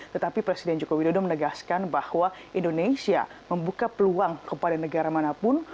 tetapi presiden joko widodo menegaskan bahwa indonesia membuka peluang kepada negara manapun